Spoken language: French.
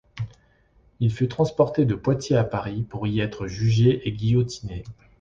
Il fut transporté de Poitiers à Paris pour y être jugé et guillotiné.